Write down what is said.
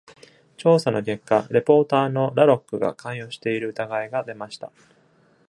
調査の結果、レポーターのラロックが関与している疑いが出ました。